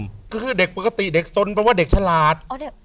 ก็คือเด็กปกติเด็กสนแปลว่าเด็กฉลาด